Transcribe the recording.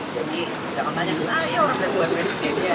jadi jangan banyak kesalahan ya orang orang yang buat presidennya